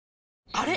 あれ？